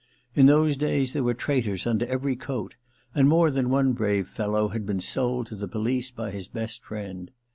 ^ In those days there were traitors under every coat, and more than one brave fellow had been sold to the police by his best friend.